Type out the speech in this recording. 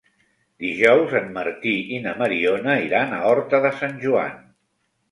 Dijous en Martí i na Mariona iran a Horta de Sant Joan.